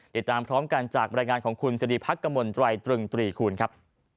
เดี๋ยวตามพร้อมกันจากรายงานของคุณจริพักกมลไตรึงตรีคูณครับ